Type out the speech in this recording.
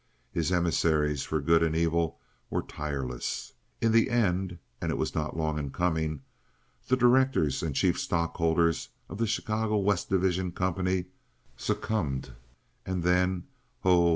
His emissaries for good and evil were tireless. In the end—and it was not long in coming—the directors and chief stockholders of the Chicago West Division Company succumbed; and then, ho!